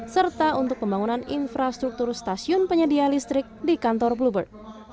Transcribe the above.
serta untuk pembangunan infrastruktur stasiun penyedia listrik di kantor bluebird